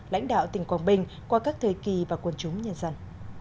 lãnh đạo tỉnh quảng bình qua các thời kỳ và quân chúng nhân dân